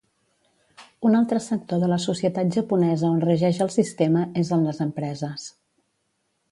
Un altre sector de la societat japonesa on regeix el sistema és en les empreses.